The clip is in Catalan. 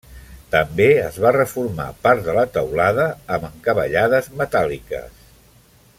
També es va reformar part de la teulada amb encavallades metàl·liques.